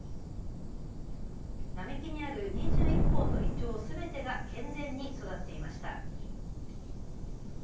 並木にある２１本のイチョウ、すべてが健全に育っていました。